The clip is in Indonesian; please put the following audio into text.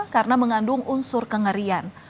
karena mengandung unsur kengerian